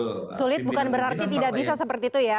tapi sulit bukan berarti tidak bisa seperti itu ya